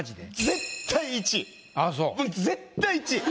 絶対１位。